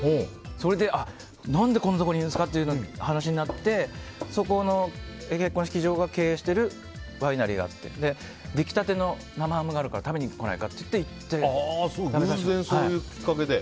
それで、何でこんなところにいるんですかっていう話になってそこの結婚式場が経営しているワイナリーがあって出来立ての生ハムがあるから食べに来ないかって言ってそういうきっかけで。